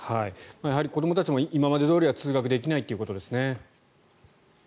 やはり子どもたちも今までどおりは通学できないということですね。